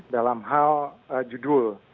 dalam hal judul